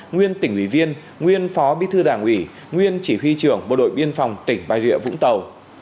nguyên tỉnh ủy viên nguyên phó bí thư đảng ủy nguyên chỉ huy trưởng bộ đội biên phòng tỉnh bà rịa vũng tàu